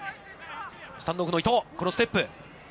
スタンドオフの伊藤、このステップ。